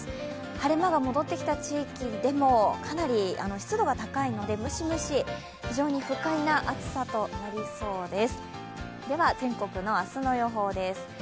晴れ間が戻ってきた地域でもかなり湿度が高いのでムシムシ、非常に不快な暑さとなりそうです。